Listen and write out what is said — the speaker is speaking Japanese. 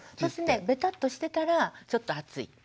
ベタッとしてたらちょっと暑い。